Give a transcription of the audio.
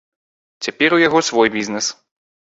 Цяпер у яго свой бізнэс.